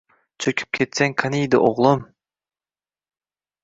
Cho’kib ketsang qaniydi, o’g’lim.